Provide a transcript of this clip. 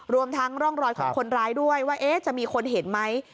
รวมทั้งร่องรอยของคนร้ายด้วยว่าจะมีคนเห็นไหม